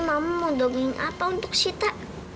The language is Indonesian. mama mau dongeng apa untuk sita